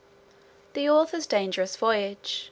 The author's dangerous voyage.